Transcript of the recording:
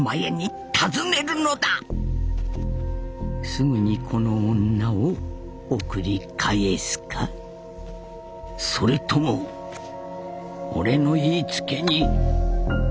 すぐにこの女を送り返すかそれともおれの言いつけに背くか。